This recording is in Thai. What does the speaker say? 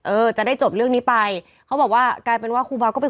เออจะได้จบเรื่องนี้ไปเขาบอกว่ากลายเป็นว่าครูบาก็ไป